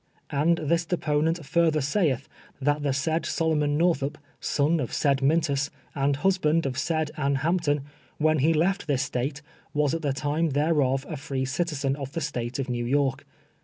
And this deponent further saith, that the said Solomon Northup, son of said Mintus, and husband of said Aiine Hamp ton, when he lefl this State, was at the time tliercof a fi'ec citi zen of the State of New York.